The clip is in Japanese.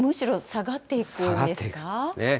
下がっていくんですね。